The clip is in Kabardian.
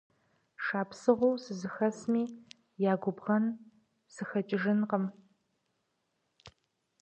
Шапсыгъыу сызыхэсми я губгъэн сыхэкӏыжынкъым.